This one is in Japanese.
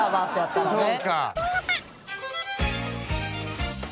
そうか。